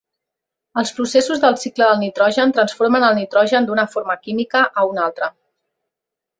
Els processos del cicle del nitrogen transformen el nitrogen d'una forma química a una altra.